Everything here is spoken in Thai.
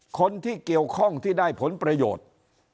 คนที่เกี่ยวข้องที่ได้ผลประโยชน์